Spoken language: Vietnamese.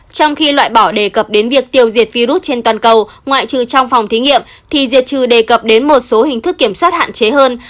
trong khi loại bỏ đề cập đến việc tiêu diệt virus trên toàn cầu ngoại trừ trong phòng thí nghiệm thì diệt trừ đề cập đến một số hình thức kiểm soát hạn chế hơn